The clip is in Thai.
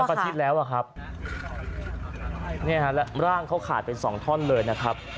อาทิตย์แล้วอ่ะครับเนี่ยฮะและร่างเขาขาดเป็นสองท่อนเลยนะครับ